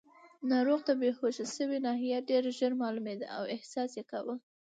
ناروغ ته بېهوښه شوې ناحیه ډېر ژر معلومېده او احساس یې کاوه.